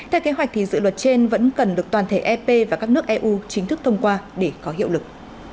theo kế hoạch thì dự luật trên vẫn cần được toàn thể ep và các nước eu chính thức thông qua để có hiệu lực